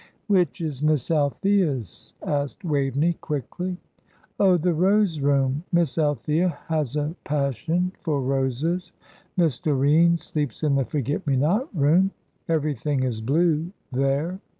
"Which is Miss Althea's?" asked Waveney, quickly. "Oh, the Rose Room. Miss Althea has a passion for roses. Miss Doreen sleeps in the Forget me not Room; everything is blue there.